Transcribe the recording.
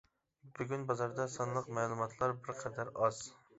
بۈگۈن بازاردا سانلىق مەلۇماتلار بىر قەدەر ئاز.